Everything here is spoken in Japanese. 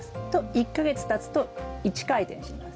１か月たつと１回転します。